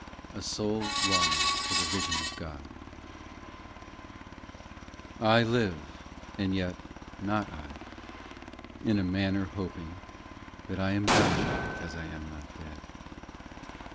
A SOUL LONGING FOR THE VISION OF GOD I LIVE, and yet not I, In a manner hoping That I am dying because I am not dead.